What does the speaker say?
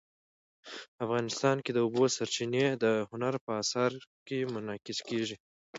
افغانستان کې د اوبو سرچینې د هنر په اثار کې منعکس کېږي.